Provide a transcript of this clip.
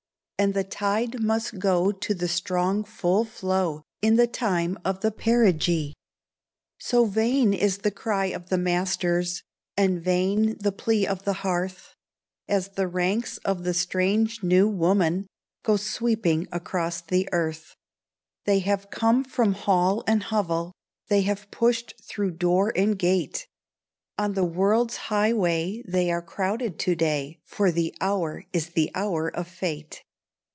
And the tide must go to the strong full flow, In the time of the perigee. So vain is the cry of the masters, And vain the plea of the hearth; As the ranks of the strange New Woman Go sweeping across the earth. They have come from hall and hovel, They have pushed through door and gate; On the world's highway they are crowded to day, For the hour is the hour of fate.